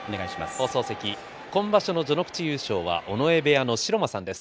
今場所の序ノ口優勝は尾上部屋の城間さんです。